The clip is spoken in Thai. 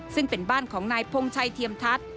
ซึ่งเป็นบ้านของนายพงชัยเทียมทัศน์